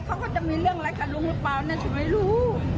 เขาก็จะมีเรื่องอะไรกับลุงหรือเปล่าฉันไม่รู้